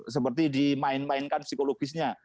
seperti dimainkan psikologisnya